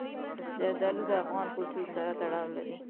زردالو د افغان کلتور سره تړاو لري.